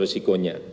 dengan kata lainnya